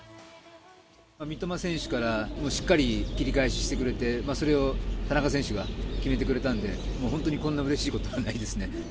三笘選手からしっかり切り返してくれてそれを田中選手が決めてくれたので本当にこんなうれしいことはないですね。